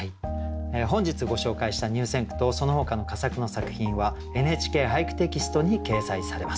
本日ご紹介した入選句とそのほかの佳作の作品は「ＮＨＫ俳句」テキストに掲載されます。